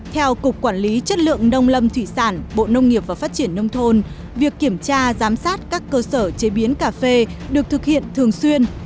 theo cục quản lý chất lượng nông lâm thủy sản bộ nông nghiệp và phát triển nông thôn việc kiểm tra giám sát các cơ sở chế biến cà phê được thực hiện thường xuyên